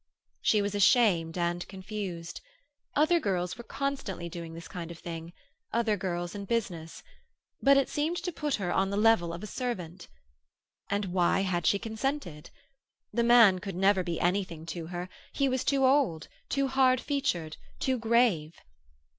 She was ashamed and confused. Other girls were constantly doing this kind of thing—other girls in business; but it seemed to put her on the level of a servant. And why had she consented? The man could never be anything to her; he was too old, too hard featured, too grave.